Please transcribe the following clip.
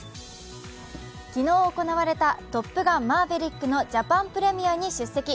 昨日行われた「トップガンマーヴェリック」のジャパンプレミアに出席。